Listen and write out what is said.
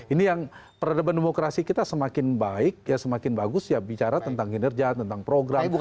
ini yang peradaban demokrasi kita semakin baik ya semakin bagus ya bicara tentang kinerja tentang program